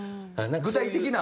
具体的な。